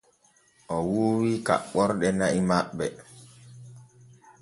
O wuuwa kaɓɓorde na'i maɓɓe.